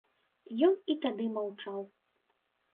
Ён і тады маўчаў.